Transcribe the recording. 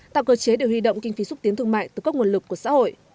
tạo cơ chế để huy động kinh phí xúc tiến thương mại từ các nguồn lực của xã hội